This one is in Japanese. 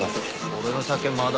俺の酒まだ？